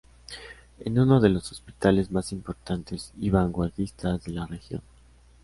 Es uno de los hospitales más importantes y vanguardistas de la región.